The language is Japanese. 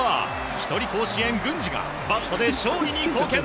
１人甲子園、郡司がバットで勝利に貢献。